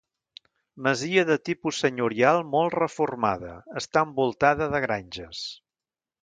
Masia de tipus senyorial molt reformada; està envoltada de granges.